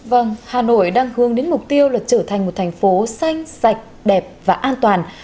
vâng hà nội đang hướng đến mục tiêu là trở thành một thành phố xanh sạch đẹp và an toàn